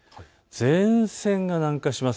前線が南下します。